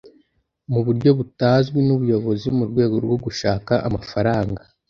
mu buryo butazwi n’ubuyobozi mu rwego rwo gushaka amafaranga